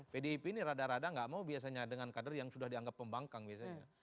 pdip ini rada rada nggak mau biasanya dengan kader yang sudah dianggap pembangkang biasanya